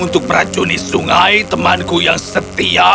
untuk meracuni sungai temanku yang setia